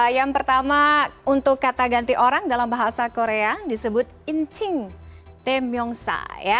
yang pertama untuk kata ganti orang dalam bahasa korea disebut incing tem yongsa